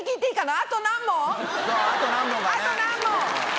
あと何問？